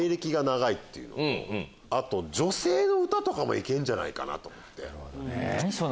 あと女性の歌とかも行けるんじゃないかと思って。